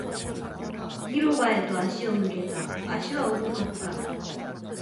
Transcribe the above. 広場へと足を向けた。足は重かった。